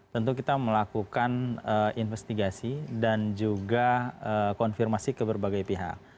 tentu kita melakukan investigasi dan juga konfirmasi ke berbagai pihak